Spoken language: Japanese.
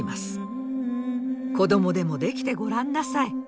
子供でもできてごらんなさい。